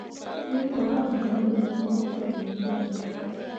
Him ɓo ah bõoni mo cok wii ah ɓe.